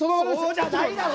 そうじゃないだろ！